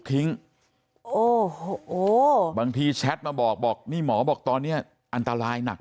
ทิ้งโอ้โหบางทีแชทมาบอกบอกนี่หมอบอกตอนนี้อันตรายหนัก